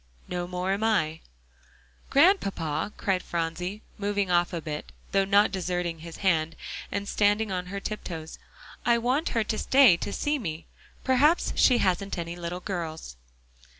"No more am I." "Grandpapa," cried Phronsie, moving off a bit, though not deserting his hand, and standing on her tiptoes, "I want her to stay, to see me. Perhaps she hasn't any little girls."